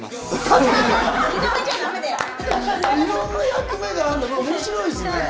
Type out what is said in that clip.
いろんな役目があるんだ面白いっすね。